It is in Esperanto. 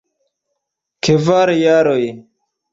Kvar jaroj.